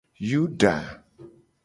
Yuda.